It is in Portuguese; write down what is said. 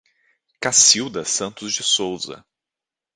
Cacilda Santos de Souza